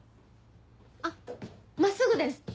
あっ真っすぐです。